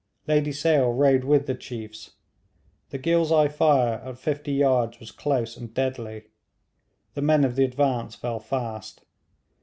Lady Sale rode with the chiefs. The Ghilzai fire at fifty yards was close and deadly. The men of the advance fell fast.